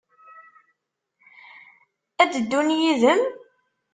Ad d-ddun yid-m?